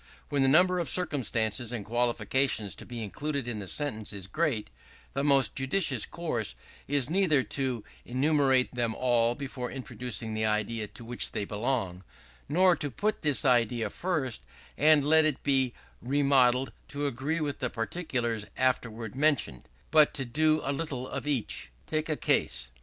When the number of circumstances and qualifications to be included in the sentence is great, the most judicious course is neither to enumerate them all before introducing the idea to which they belong, nor to put this idea first and let it be remodeled to agree with the particulars afterwards mentioned; but to do a little of each. Take a case.